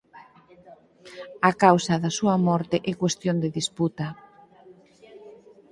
A causa da súa morte é cuestión de disputa.